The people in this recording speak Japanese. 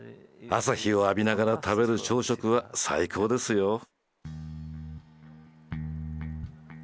朝日を浴びながら食べる朝食は最高ですよ。